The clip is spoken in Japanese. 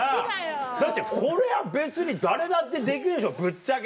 だってこれは別に誰だってできるでしょぶっちゃけ。